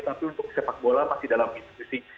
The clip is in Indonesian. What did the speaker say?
tapi untuk sepak bola masih dalam institusi